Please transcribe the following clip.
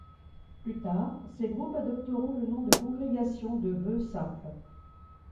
Plus tard ces groupes adopteront le nom de congrégation de vœux simples.